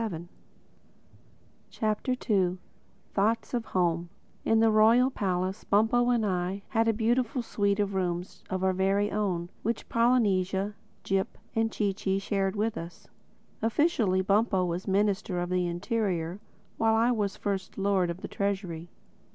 THE SECOND CHAPTER THOUGHTS OF HOME IN the Royal Palace Bumpo and I had a beautiful suite of rooms of our very own—which Polynesia, Jip and Chee Chee shared with us. Officially Bumpo was Minister of the Interior; while I was First Lord of the Treasury.